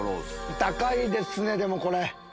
高いですねこれ。